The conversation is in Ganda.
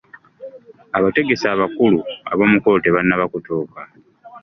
Abategesi abakulu ab'omukolo tebannaba kutuuka.